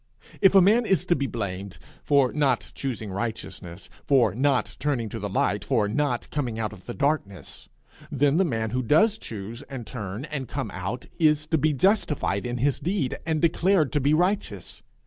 If a man is to be blamed for not choosing righteousness, for not turning to the light, for not coming out of the darkness, then the man who does choose and turn and come out, is to be justified in his deed, and declared to be righteous.